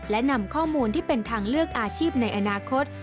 และนำข้อมูลที่เป็นทางเลือกอาชีพในอนาคต